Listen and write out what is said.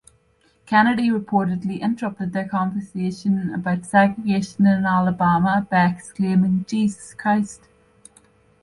Kennedy reportedly interrupted their conversation about segregation in Alabama by exclaiming Jesus Christ!